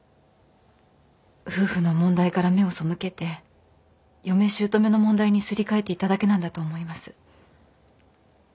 夫婦の問題から目を背けて嫁姑の問題にすり替えていただけなんだと思います。